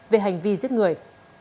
về hành vi giết người